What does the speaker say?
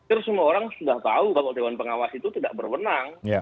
itu semua orang sudah tahu kalau dewan pengawas itu tidak berwenang